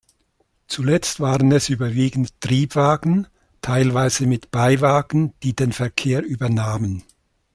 Zuletzt waren es überwiegend Triebwagen, teilweise mit Beiwagen, die den Verkehr übernahmen.